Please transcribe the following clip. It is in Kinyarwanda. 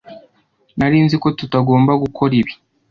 nari nzi ko tutagomba gukora ibi